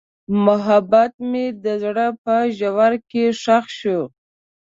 محبت مې د زړه په ژوره کې ښخ شو.